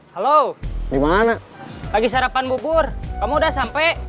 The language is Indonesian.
halo gimana lagi sarapan bubur kamu udah sampai